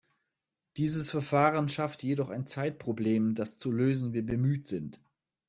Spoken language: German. Dieses Verfahren schafft jedoch ein Zeitproblem, das zu lösen wir bemüht sind.